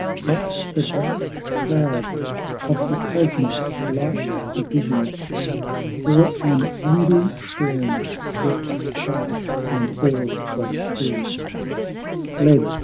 But the dark cloud of the Cosmos like a vision Or an angry storm, swept past and all was still; Fled